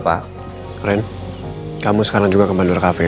wey kamu sekarang juga ke bandara cafe ya